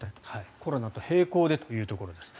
コロナと並行でというところです。